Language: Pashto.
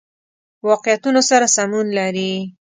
واقعیتونو سره سمون لري.